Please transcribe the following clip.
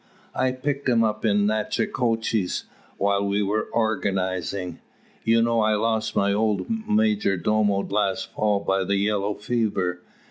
"I picked him up in Natchitoches while we were organising. You know I lost my old major domo last fall by the yellow fever.